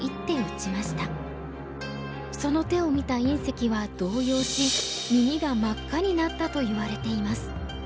その手を見た因碩は動揺し耳が真っ赤になったといわれています。